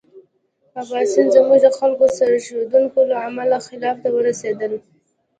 عباسیان زموږ د خلکو سرښندنو له امله خلافت ته ورسېدل.